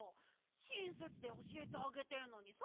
しんせつでおしえてあげてんのにさ。